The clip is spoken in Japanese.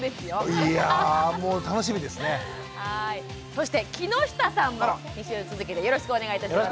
そして木下さんも２週続きでよろしくお願いいたします。